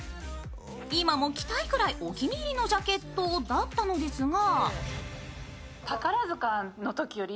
今も着たいくらいお気に入りのジャケットだったのですが。